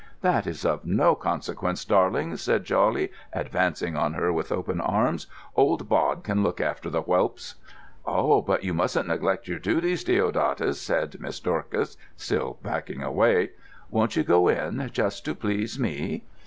"That is of no consequence, darling," said Jawley, advancing on her with open arms; "old Bod can look after the whelps." "Oh, but you mustn't neglect your duties, Deodatus," said Miss Dorcas, still backing away. "Won't you go in, just to please me?"